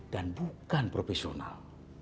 dan bukan profesional